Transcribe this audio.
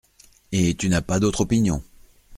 Et tu n’as pas d’autre opinion ?